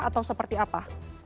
atau seperti apa